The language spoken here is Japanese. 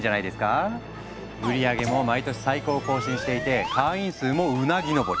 売り上げも毎年最高を更新していて会員数もうなぎ登り。